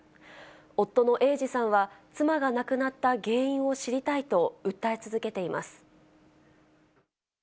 夫の英治さんは、妻が亡くなった原因を知りたいと訴え続けています。